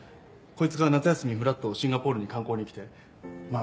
こいつが夏休みにふらっとシンガポールに観光に来てま